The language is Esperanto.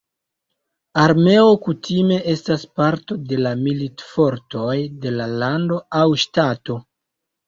Armeo kutime estas parto de la militfortoj de lando aŭ ŝtato.